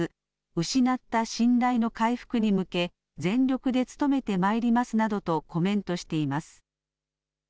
失った信頼の回復に向け、全力で努めてまいりますなどとコメントしています。